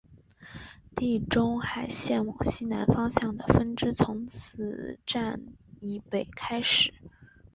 地中海线往西南方向的分支从此站以北开始。